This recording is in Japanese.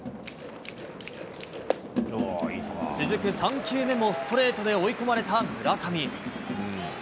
続く３球目もストレートで追い込まれた村上。